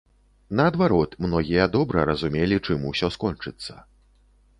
Наадварот, многія добра разумелі, чым усё скончыцца.